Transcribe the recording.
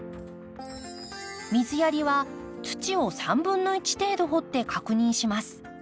水やりは土を３分の１程度掘って確認します。